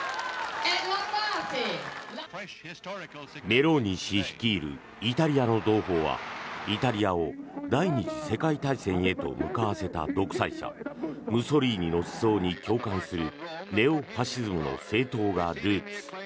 メローニ氏率いるイタリアの同胞はイタリアを第２次世界大戦へと向かわせた独裁者ムソリーニの思想に共感するネオファシズムの政党がルーツ。